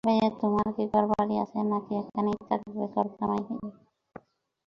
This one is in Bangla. ভায়া, তোমার কি ঘর-বাড়ি আছে, নাকি এখানেই থাকবে, ঘরজামাই হয়ে?